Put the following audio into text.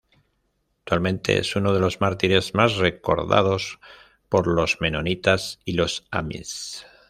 Actualmente es uno de los mártires más recordados por los menonitas y los amish.